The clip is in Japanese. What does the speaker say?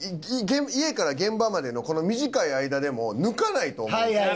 家から現場までのこの短い間でも抜かないと思うんですよ。